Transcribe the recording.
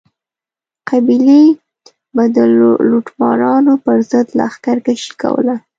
قبیلې به د لوټمارانو پر ضد لښکر کشي کوله.